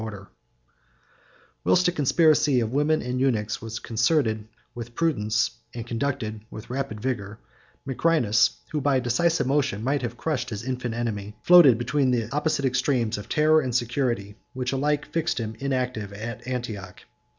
184.] Whilst a conspiracy of women and eunuchs was concerted with prudence, and conducted with rapid vigor, Macrinus, who, by a decisive motion, might have crushed his infant enemy, floated between the opposite extremes of terror and security, which alike fixed him inactive at Antioch.